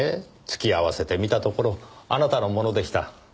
突き合わせてみたところあなたのものでした。